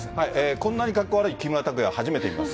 こんなにかっこ悪い木村拓哉、初めて見ます。